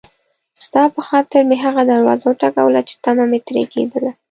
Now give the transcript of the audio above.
ستا په خاطر مې هغه دروازه وټکوله چې طمعه مې ترې کېدله.